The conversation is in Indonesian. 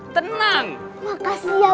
tenang makasih ya